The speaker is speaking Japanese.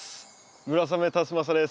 村雨辰剛です。